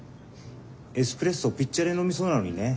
エスプレッソをピッチャーで飲みそうなのにね。